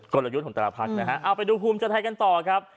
กลยุทธ์ของแต่ละพักนะฮะเอาไปดูภูมิใจไทยกันต่อครับ